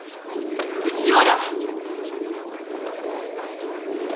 ⁉藤原！